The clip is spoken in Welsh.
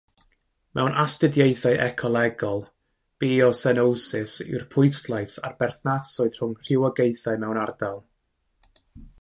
Mewn astudiaethau ecolegol, biosenosis yw'r pwyslais ar berthnasoedd rhwng rhywogaethau mewn ardal.